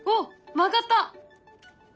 曲がった！